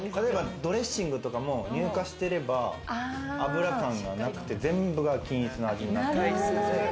ドレッシングとかも乳化してれば油感がなくて、全部が均一な味になる。